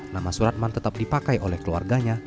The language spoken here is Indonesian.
nama suratman tetap dipakai oleh keluarganya